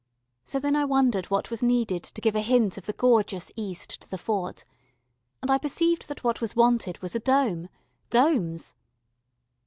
So then I wondered what was needed to give a hint of the gorgeous East to the fort, and I perceived that what was wanted was a dome domes.